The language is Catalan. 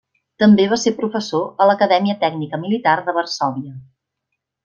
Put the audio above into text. També va ser professor a l'Acadèmia Tècnica Militar de Varsòvia.